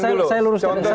jadi saya luruskan dulu